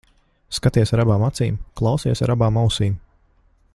Skaties ar abām acīm, klausies ar abām ausīm.